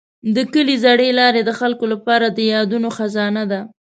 د کلي زړې لارې د خلکو لپاره د یادونو خزانه ده.